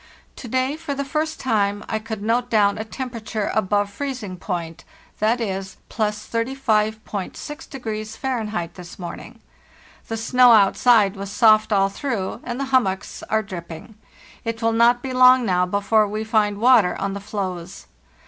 To day, for the first time, I could note down a temperature above freezing point—ze., +35.6 Fahr. this morning. The snow outside was soft all through, and the hummocks are dripping. It will not be long now before we find water on the floes.